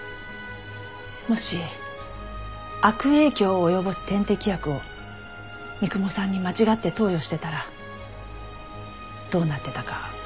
もし悪影響を及ぼす点滴薬を三雲さんに間違って投与してたらどうなってたかわかるわよね？